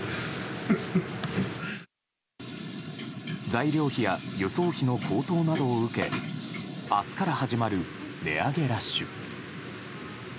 材料費や輸送費の高騰などを受け明日から始まる値上げラッシュ。